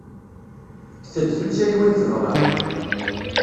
Fket-d tuttriwin tebɣam.